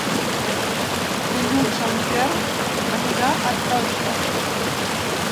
Dilluns en Quer anirà a Toixa.